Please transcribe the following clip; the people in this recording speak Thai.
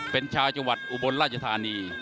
เป็นชาวจังหวัดอุบลราชธานี